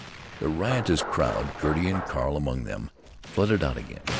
The riotous crowd, Gertie and Carl among them, flooded out again.